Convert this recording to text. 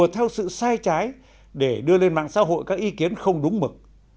theo sự sai trái để đưa lên mạng xã hội các ý kiến không đúng mực